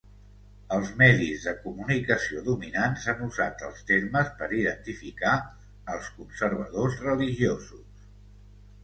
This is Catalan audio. Els medis de comunicació dominants han usat els termes per identificar als conservadors religiosos.